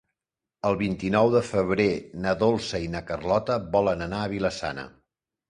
El vint-i-nou de febrer na Dolça i na Carlota volen anar a Vila-sana.